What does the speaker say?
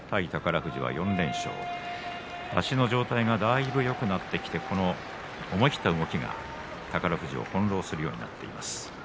富士は４連勝足の状態がだいぶよくなってきて思い切った動きが宝富士翻弄するようになっています。